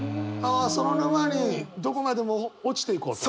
ああそのままにどこまでも落ちていこうと？